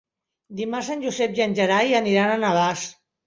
Dimarts en Josep i en Gerai aniran a Navàs.